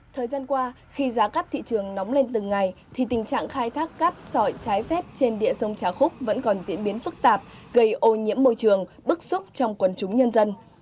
thời gian qua khi giá cắt thị trường nóng lên từng ngày thì tình trạng khai thác cát sỏi trái phép trên địa sông trà khúc vẫn còn diễn biến phức tạp gây ô nhiễm môi trường bức xúc trong quần chúng nhân dân